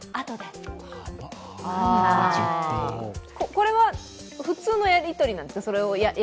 これは普通のやり取りなんですか？